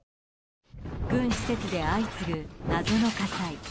軍施設で相次ぐ謎の火災。